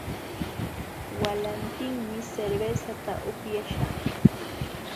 Walantinmi cervezata upyaśhaq